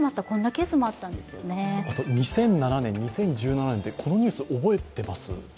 ２００７年、２０１７年、このニュース覚えてます？